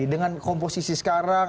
dengan komposisi sekarang